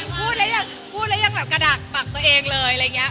พูดกำลังกระดักบักตัวเองเลย